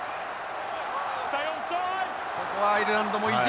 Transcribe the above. ここはアイルランドも意地。